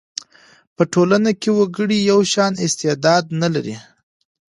په ټولنه کي وګړي یو شان استعداد نه لري.